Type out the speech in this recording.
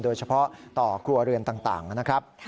โดยเฉพาะต่อครัวเรือนต่างนะครับ